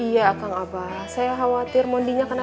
iya akang abah saya khawatir mondinya kenapa napa